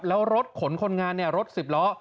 แล้วรถขนคนงานเนี่ยรถสิบล้อ